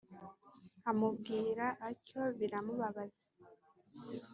amubwira atyo biramubabaza.